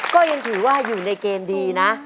ก็ยังถือว่าอยู่ในเกณฑ์ดีนะ